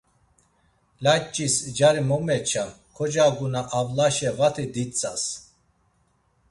Layç̌is cari mo meçam, kocaguna avlaşe vati ditzas.